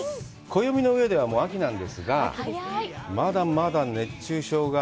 暦の上では秋なんですが、まだまだ熱中症が。